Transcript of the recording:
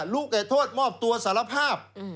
รู้แต่โทษมอบตัวสารภาพ